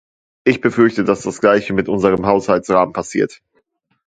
Ich befürchte, dass das Gleiche mit unserem Haushaltsrahmen passiert.